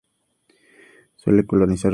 Suele colonizar otros corales.